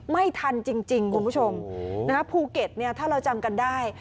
ไม่ทันจริงคุณผู้ชมนะฮะภูเก็ตเนี่ยถ้าเราจำกันได้